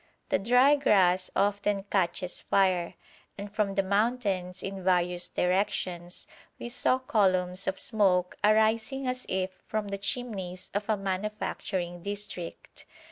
The dry grass often catches fire, and from the mountains in various directions we saw columns of smoke arising as if from the chimneys of a manufacturing district.